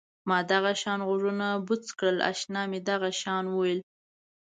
ما دغه شان غوږونه بوڅ کړل اشنا مې دغه شان وویل.